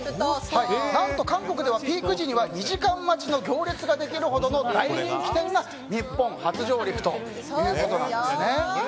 何と韓国ではピーク時には２時間待ちの行列ができるほどの大人気店が日本初上陸ということです。